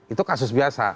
itu kasus biasa